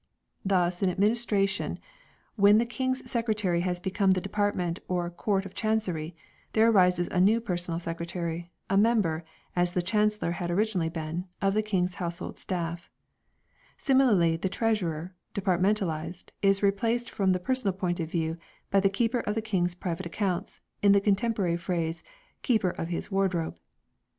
Thus in ad ministration when the King's secretary has become the department or Court of Chancery, there arises a new personal secretary, a member, as the Chancellor had originally been, of the King's household staff; similarly the Treasurer, departmentalized, is replaced from the personal point of view by the keeper of the King's private accounts, in the contemporary phrase " keeper of his wardrobe."